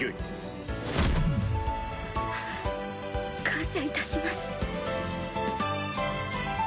感謝いたします。